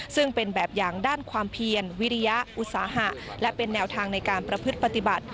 ซึ่งเป็นแบบอย่างด้านความเพียรวิริยะอุตสาหะและเป็นแนวทางในการประพฤติปฏิบัติ